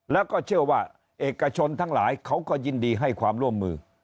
แล้วก็เชื่อว่าเอกชนทั้งหลายเขาก็ยินดีให้ความร่วมมือ